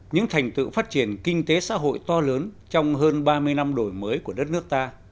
những thành tựu phát triển kinh tế xã hội to lớn trong hơn ba mươi năm đổi mới của đất nước ta